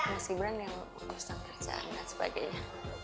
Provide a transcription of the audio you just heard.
mas gibran yang urusan kerjaan dan sebagainya